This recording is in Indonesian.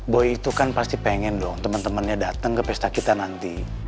boy itu kan pasti pengen dong temen temennya dateng ke pesta kita nanti